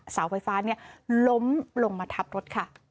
สาวไฟฟ้าล้มลงมาทับรถ